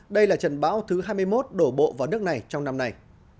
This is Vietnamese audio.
đây là trận bão thứ hai mươi một đổ bộ vào nước này trong năm nay